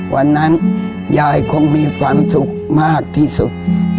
วันนั้นยายคงมีความสุขมากที่สุด